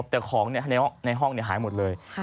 แต่ของในห้องหายหมดเลย